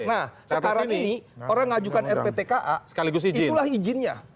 nah sekarang ini orang ngajukan rptka itulah izinnya